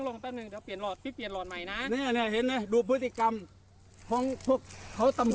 ลุงไม่ทำแบบนั้นล่ะเอ้าทำไมแล้วคุณมาปังคับผมทำไม